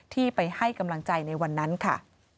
ที่ไปให้กำลังใจในวันนั้นค่ะ